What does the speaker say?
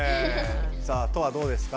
さあトアどうですか？